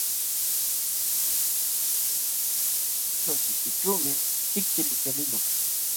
Makiykićhuumi tikti likaliqlun.